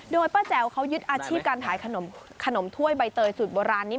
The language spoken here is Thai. โดยป้าแจ๋วเขายึดอาชีพการขายขนมถ้วยใบเตยสูตรโบราณนี้